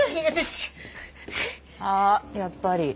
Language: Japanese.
あっやっぱり。